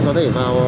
không có mạng à